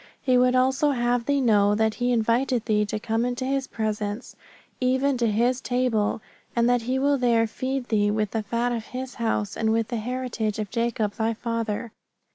He would also have thee know that He inviteth thee to come into His presence, even to His table, and that He will there feed thee with the fat of His house, and with the heritage of Jacob thy father.